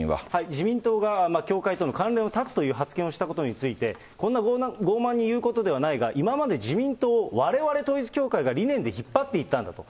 自民党が教会との関連を断つという発言をしたことについて、こんな傲慢に言うことではないが、今まで自民党をわれわれ統一教会が理念で引っ張っていったんだと。